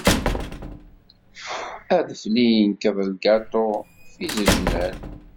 Aḍefli yenkeḍ lgaṭu f izeǧnan.